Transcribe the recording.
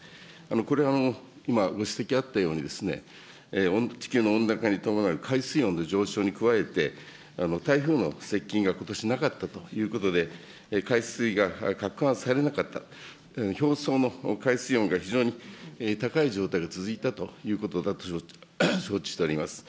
これ、今ご指摘あったように、地球の温暖化に伴う海水温の上昇に加えて、台風の接近がことしなかったということで、海水がかくはんされなかった、表層の海水温が非常に高い状態が続いたということだと承知しております。